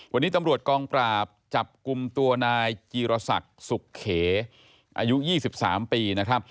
วันนี้ตำรวจกองปราบจับกลุ่มตัวนายจีรศักดิ์สุขเขอายุ๒๓ปีนะครับ